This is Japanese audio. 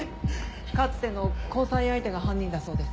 かつての交際相手が犯人だそうです。